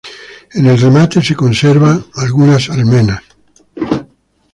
En el remate se conservan algunas almenas.